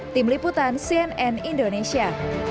tim liputan cnn indonesia